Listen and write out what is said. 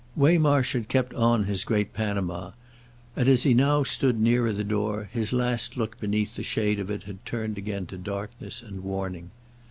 Waymarsh had kept on his great panama, and, as he now stood nearer the door, his last look beneath the shade of it had turned again to darkness and warning.